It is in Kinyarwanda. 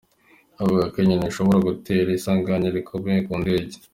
Avuga ko inyoni ishobora gutera isanganya rikomeye ku ndege.